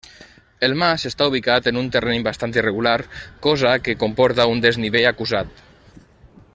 El mas està ubicat en un terreny bastant irregular, cosa que comporta un desnivell acusat.